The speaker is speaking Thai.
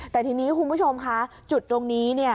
แต่ทีนี้คุณผู้ชมค่ะจุดตรงนี้